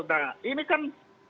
nah ini kan